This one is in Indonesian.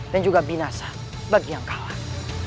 dan juga binasa bagi yang kalah